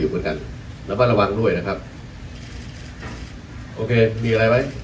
เหมือนกันระมัดระวังด้วยนะครับโอเคมีอะไรไหม